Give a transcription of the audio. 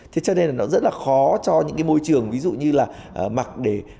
thế cho nên là nó rất là khó cho những cái môi trường ví dụ như là mặc để